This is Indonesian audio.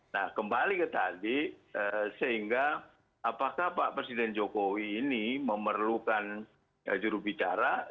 nah kembali ke tadi sehingga apakah pak presiden jokowi ini memerlukan jurubicara